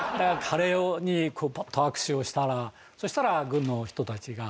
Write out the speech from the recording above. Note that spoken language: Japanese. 彼と握手をしたらそしたら軍の人たちが。